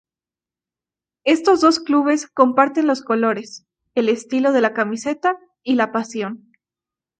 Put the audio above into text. Estos dos clubes comparten los colores, el estilo de la camiseta, y la pasión.